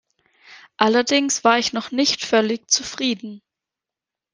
Allerdings war ich noch nicht völlig zufrieden.